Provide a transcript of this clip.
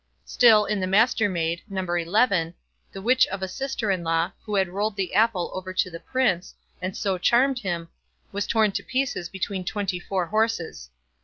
Still, in "the Mastermaid", No. xi, the witch of a sister in law, who had rolled the apple over to the Prince, and so charmed him, was torn to pieces between twenty four horses.